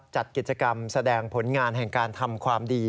จัดกิจกรรมแสดงผลงานแห่งการทำความดี